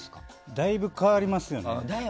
だいぶ変わりますよね。